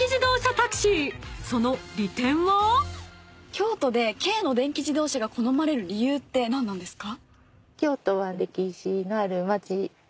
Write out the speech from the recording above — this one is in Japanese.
京都で軽の電気自動車が好まれる理由って何なんですか？